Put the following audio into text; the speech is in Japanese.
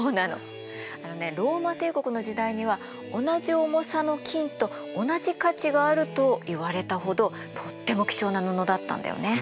あのねローマ帝国の時代には同じ重さの金と同じ価値があるといわれたほどとっても貴重な布だったんだよね。